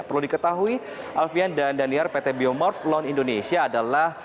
perlu diketahui alfian dan daniar pt biomoblone indonesia adalah